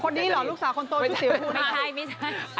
คนนี้หรอลูกสาวคนโตชุดสิวทุกท่าน